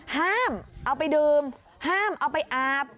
ห้ามเอาไปดื่มห้ามเอาไปอาบ